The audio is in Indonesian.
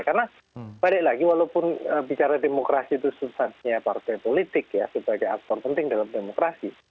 karena balik lagi walaupun bicara demokrasi itu susahnya partai politik ya sebagai aktor penting dalam demokrasi